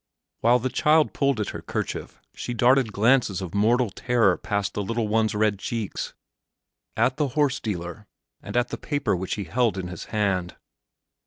While the child pulled at her kerchief, she darted glances of mortal terror past the little one's red cheeks, at the horse dealer, and at a paper which he held in his hand.